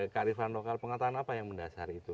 kearifan lokal pengetahuan apa yang mendasar itu